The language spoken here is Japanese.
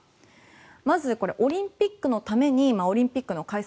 まず、オリンピックのためにオリンピックの開催